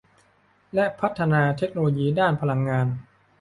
และพัฒนาเทคโนโลยีด้านพลังงาน